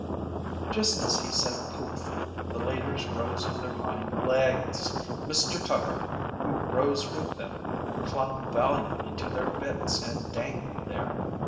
Just as he said "poof!", the leaders rose on their hind legs. Mr. Tucker, who rose with them, clung valiantly to their bits and dangled there.